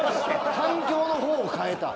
環境のほうを変えたの？